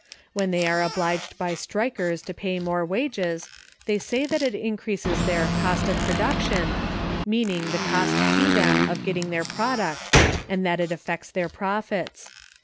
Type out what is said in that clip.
When they are obliged by strikers to pay more wages, they say that it increases their "cost of production," meaning the cost to them of getting their product, and that it affects their profits.